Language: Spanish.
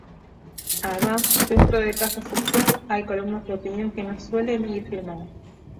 Además, dentro de cada sección hay columnas de opinión que no suelen ir firmadas.